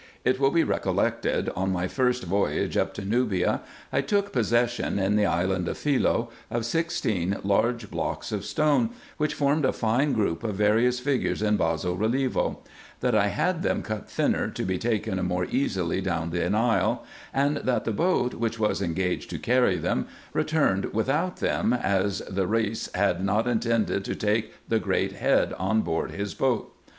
It will be recollected, on my first voyage up to Nubia I took possession, in the island of Philce, of sixteen large blocks of stone, which formed a fine group of various figures in basso relievo ; that I had them cut thinner, to be taken more easily down the Nile ; and that the boat, which was engaged to carry them, returned without them, as the Reis did not intend to take the great head on board his boat.